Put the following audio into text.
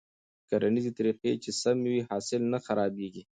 کرنيزې طريقې چې سمې وي، حاصل نه خرابېږي.